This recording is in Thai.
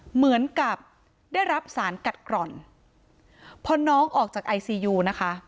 เหมือนกับได้รับสารกัดกร่อนพอน้องออกจากไอซียูนะคะ